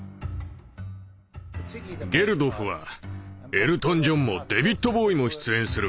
ゲルドフは「エルトン・ジョンもデビッド・ボウイも出演する。